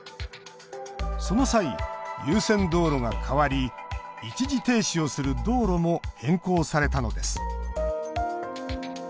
その際、優先道路が変わり一時停止をする道路も変更されたのです。